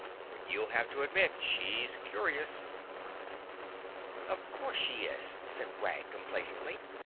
"But you'll have to admit she's curious." "Of course she is," said Wag complacently.